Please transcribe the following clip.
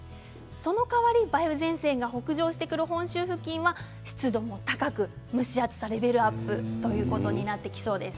そのかわり梅雨前線が北上する本州付近は湿度が高く蒸し暑くなりそうということになりそうです。